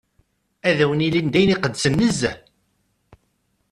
Ad wen-ilin d ayen iqedsen nezzeh.